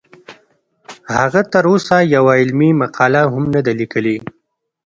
هغه تر اوسه یوه علمي مقاله هم نه ده لیکلې